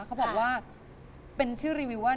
เขาบอกว่าเป็นชื่อรีวิวว่า